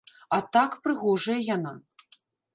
А, так, прыгожая яна.